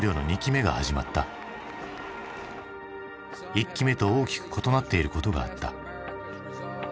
１期目と大きく異なっていることがあった。